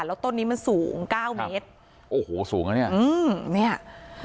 แล้วต้นนี้มันสูงเก้าเมตรโอ้โหสูงนะเนี่ยอืมเนี้ย